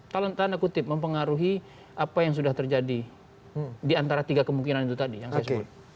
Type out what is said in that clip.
dalam tanda kutip mempengaruhi apa yang sudah terjadi di antara tiga kemungkinan itu tadi yang saya sebut